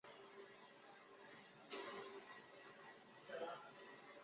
透过电力传导引发出惊人的拳脚力。